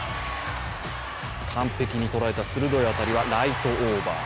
完璧に捉えた鋭い当たりはライトオーバー。